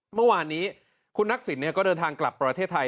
เมื่อวานนี้คุณทักษิณก็เดินทางกลับประเทศไทย